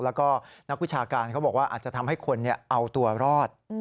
แล้วก็นักวิชาการเขาบอกว่าอาจจะทำให้คนเอาตัวรอด